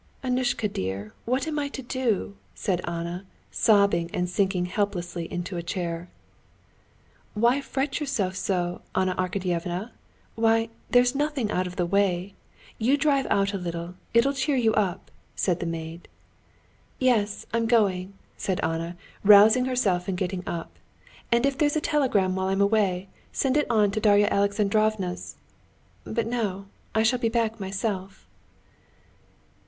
"Annushka, dear, what am I to do?" said Anna, sobbing and sinking helplessly into a chair. "Why fret yourself so, Anna Arkadyevna? Why, there's nothing out of the way. You drive out a little, and it'll cheer you up," said the maid. "Yes, I'm going," said Anna, rousing herself and getting up. "And if there's a telegram while I'm away, send it on to Darya Alexandrovna's ... but no, I shall be back myself."